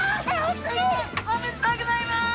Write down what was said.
おめでとうございます！